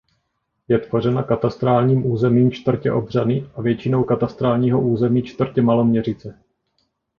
Je tvořena katastrálním územím čtvrtě Obřany a většinou katastrálního území čtvrtě Maloměřice.